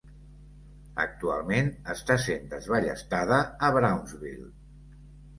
Actualment està sent desballestada a Brownsville.